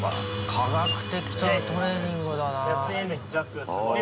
科学的なトレーニングだな。